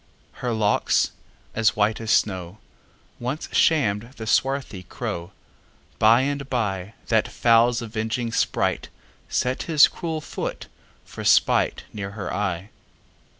Her locks, as white as snow, Once sham'd the swarthy crow:By and byThat fowl's avenging spriteSet his cruel foot for spiteNear her eye.